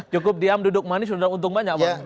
cukup diam duduk manis sudah untung banyak bang